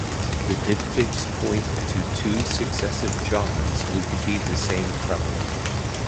The diptychs point to two successive Johns who could be the same prelate.